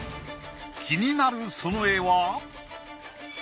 気になるその絵は。